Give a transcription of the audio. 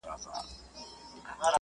زه پرون د تکړښت لپاره وم؟